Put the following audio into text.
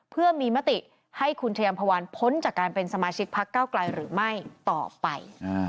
เพื่อมีมติให้คุณชายัมภาวันพ้นจากการเป็นสมาชิกพักเก้าไกลหรือไม่ต่อไป